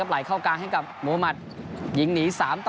และอาธิบที๑๘